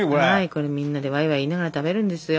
これみんなでワイワイ言いながら食べるんですよ。